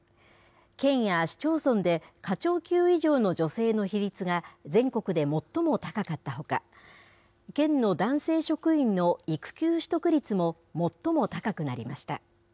県や市町村で課長級以上の女性の比率が全国で最も高かったほか、県の男性職員の育休取得率も最も高くなりました。